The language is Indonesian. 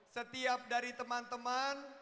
setiap dari teman teman